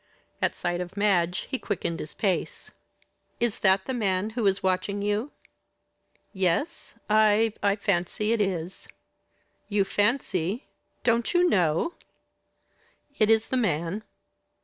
At sight of Madge he quickened his pace. "Is that the man who is watching you?" "Yes, I I fancy it is." "You fancy? Don't you know?" "It is the man."